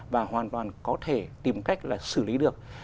và hoàn toàn có thể tìm cách là xử lý được